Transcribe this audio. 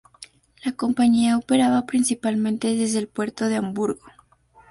La compañía operaba principalmente desde el puerto de Hamburgo.